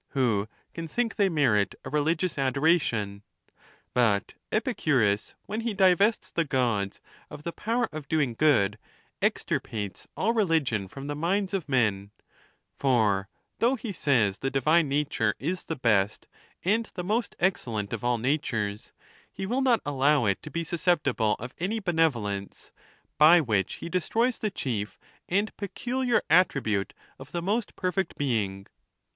who can think they merit a religious adoration? / But Epicurus, when he divests the Gods of the power ( of doing good, extirpates all religion from the minds of men ; for though he says the divine nature is the best and the most excellent of all natures, he will not allow it to be susceptible of any benevolence, by which he destroys the chief and peculiai attribute of the most perfect being.